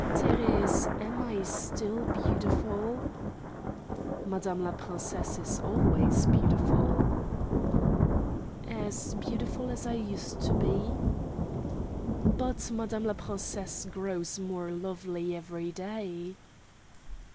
"Thérèse! Am I still beautiful?" "Madame la princesse is always beautiful." "As beautiful as I used to be?" "But madame la princesse grows more lovely every day."